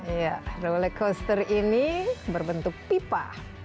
iya roller coaster ini berbentuk pipa